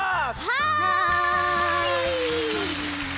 はい！